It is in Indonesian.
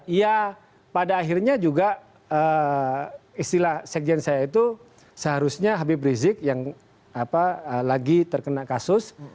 iya pada akhirnya juga istilah sekjen saya itu seharusnya habib rizik yang lagi terkena kasus